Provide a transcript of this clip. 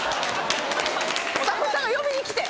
スタッフさんが呼びに来て。